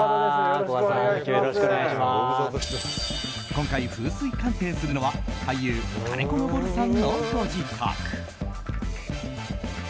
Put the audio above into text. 今回、風水鑑定するのは俳優・金子昇さんのご自宅。